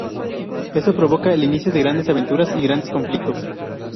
Eso provoca el inicio de grandes aventuras y grandes conflictos.